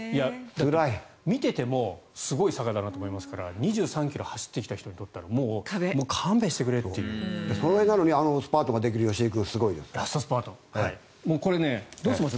見ててもすごい坂だなと思いますから２ｋｍ走ってきた人にとってはそれなのにスパートができる吉居君はすごいですよ。